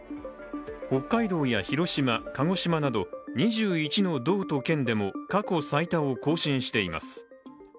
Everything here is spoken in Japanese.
北海道や広島、鹿児島など２１の道と県でも過去最多を更新しています。